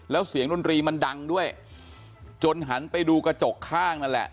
แล้วเสียงดนตรีมันดังด้วยจนหันไปดูกระจกข้างนั่นแหละ